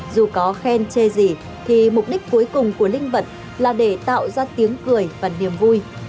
dù có khen chê gì thì mục đích cuối cùng của linh vật là để tạo ra tiếng cười và niềm vui